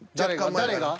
誰が？